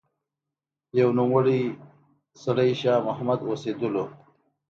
يو نوموړی سړی شاه محمد اوسېدلو